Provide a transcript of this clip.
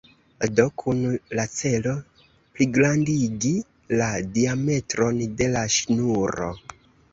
Do kun la celo pligrandigi la diametron de la ŝnuro.